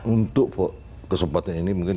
untuk kesempatan ini mungkin